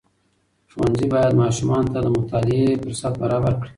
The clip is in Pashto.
ښوونځي باید ماشومانو ته د مطالعې فرصت برابر کړي.